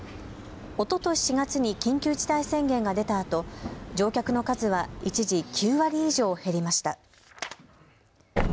おととし４月に緊急事態宣言が出たあと乗客の数は一時、９割以上減りました。